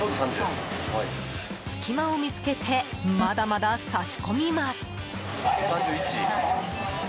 隙間を見つけてまだまだ差し込みます。